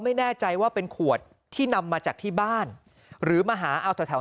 ไม่แน่ใจว่าเป็นขวดที่นำมาจากที่บ้านหรือมาหาเอาแถว